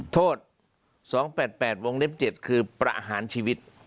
โทษปรหารชีวิต